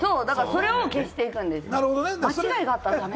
それを消していくんです。